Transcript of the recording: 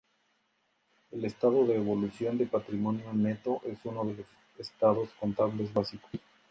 El estado de evolución de patrimonio neto es uno de los estados contables básicos.